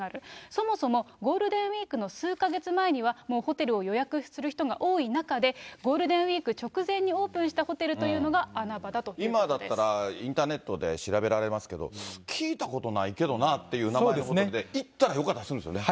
そもそもゴールデンウィークの数か月前にはもうホテルを予約する人が多い中で、ゴールデンウィーク直前にオープンしたホテルというのが穴場だと今だったら、インターネットで調べられますけど、聞いたことないけどなっていう名前のホテルって、行ったらよかったりするんですよね。